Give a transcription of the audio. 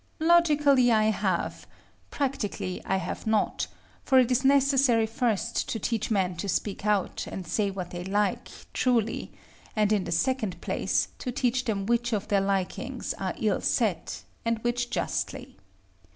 Logically I have; practically I have not: for it is necessary first to teach men to speak out, and say what they like, truly; and, in the second place, to teach them which of their likings are ill set, and which justly.